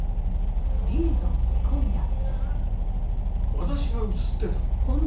私が映ってた？